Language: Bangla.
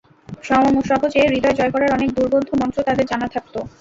সহজে হৃদয় জয় করার অনেক দুর্বোধ্য মন্ত্র তাদের জানা থাকত।